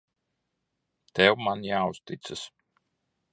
Tev man jāuzticas.